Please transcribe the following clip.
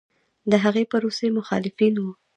د هغې پروسې مخالفین و